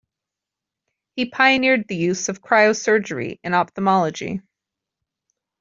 He pioneered the use of cryosurgery in ophthalmology.